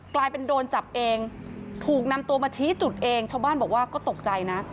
กลายเป็นโดนจับเองถูกนำตัวมาชี้จุดเองชาวบ้านบอกว่าก็ตกใจนะ